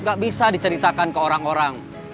gak bisa diceritakan ke orang orang